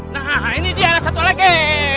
nah ini dia ada satu lagi